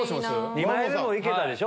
二枚目もいけたでしょ？